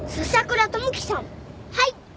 はい。